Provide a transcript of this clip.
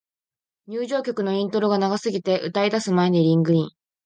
入場曲のイントロが長すぎて、歌い出す前にリングイン